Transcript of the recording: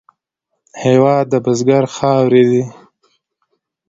هېواد د بزګر خاورې دي.